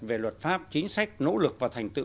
về luật pháp chính sách nỗ lực và thành tựu